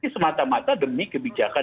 semata mata demi kebijakan